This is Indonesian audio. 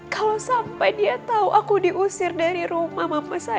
kalau sampai dia tahu aku diusir dari rumah mama saya